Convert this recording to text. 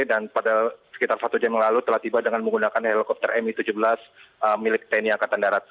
dan pada sekitar satu jam yang lalu telah tiba dengan menggunakan helikopter mi tujuh belas milik tni angkatan darat